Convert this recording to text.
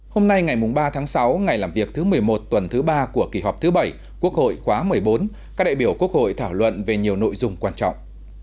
hôm nay ngày ba tháng sáu ngày làm việc thứ một mươi một tuần thứ ba của kỳ họp thứ bảy quốc hội khóa một mươi bốn các đại biểu quốc hội thảo luận về nhiều nội dung quan trọng